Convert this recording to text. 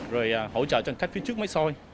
rồi hỗ trợ cho hành khách phía trước máy soi